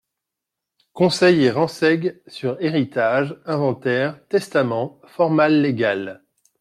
CONSEILS et renseig sur Héritages, Inventaires, testaments, formal légales.